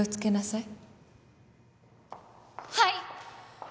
はい。